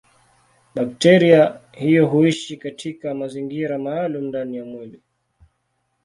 Bakteria hiyo huishi katika mazingira maalumu ndani ya mwili.